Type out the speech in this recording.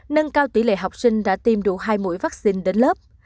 nâng cao tỷ lệ học sinh đã tiêm đủ hai mũi vaccine đến lớp